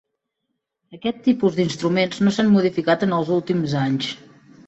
Aquest tipus d'instruments no s'han modificat en els últims anys.